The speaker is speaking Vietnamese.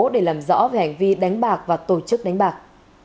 để làm rõ về hành vi đánh bạc và tổ chức đánh bạc